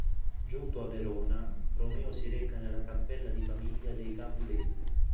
Giunto a Verona, Romeo si reca nella cappella di famiglia dei Capuleti.